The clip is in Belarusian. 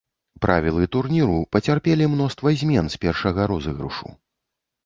Правілы турніру пацярпелі мноства змен з першага розыгрышу.